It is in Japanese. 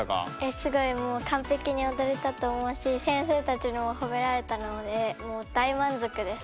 すごいもうかんぺきにおどれたと思うし先生たちにもほめられたのでもう大満足です。